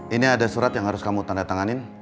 ini ada surat yang harus kamu tandatanganin